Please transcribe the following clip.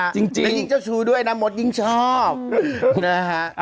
จริงและยิ่งเจ้าชู้ด้วยนะมดยิ่งชอบนะฮะ